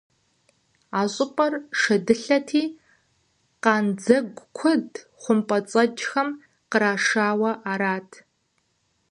А щӏыпӏэр шэдылъэти, къандзэгу куэд хъумпӀэцӀэджхэм кърашауэ арат.